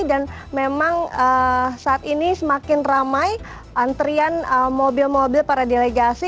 dan memang saat ini semakin ramai antrian mobil mobil para delegasi